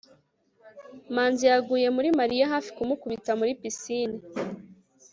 manzi yaguye muri mariya hafi kumukubita muri pisine